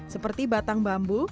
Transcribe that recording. seperti batang bambu